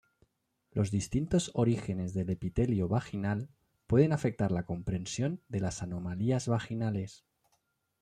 Los distintos orígenes del epitelio vaginal pueden afectar la comprensión de las anomalías vaginales.